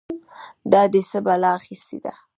دا دې څه بلا اخيستې ده؟!